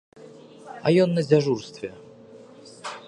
А ён на дзяжурстве.